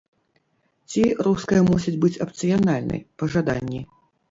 Ці руская мусіць быць апцыянальнай, па жаданні?